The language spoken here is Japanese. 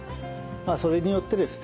まあそれによってですね